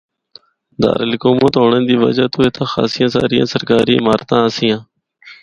دارالحکومت ہونڑا دی وجہ تو اِتھا خاصیاں ساریاں سرکاری عمارتاں آسیاں۔